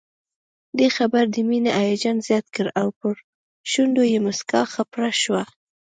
دې خبر د مينې هيجان زيات کړ او پر شونډو يې مسکا خپره شوه